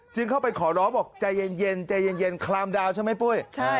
จริงเข้าไปขอร้องว่าใจเย็นคลามดาวน์ใช่มั้ยพุย